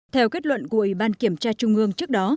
theo kết luận của ủy ban kiểm tra trung ương trước đó